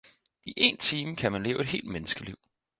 i én time kan man leve et helt menneskeliv!